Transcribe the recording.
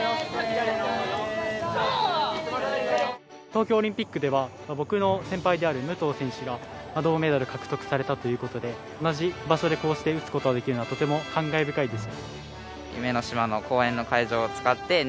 東京オリンピックでは僕の先輩である武藤選手が銅メダル獲得されたという事で同じ場所でこうして撃つ事ができるのはとても感慨深いです。